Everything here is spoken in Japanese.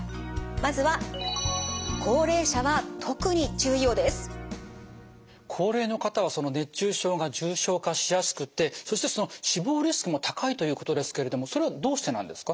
まずは高齢の方は熱中症が重症化しやすくてそしてその死亡リスクも高いということですけれどもそれはどうしてなんですか？